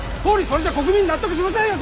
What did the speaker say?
それじゃ国民納得しませんよ